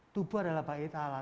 tubuh adalah baik allah